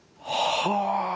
はあ。